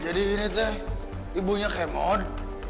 jadi ini teh ibunya kayak mod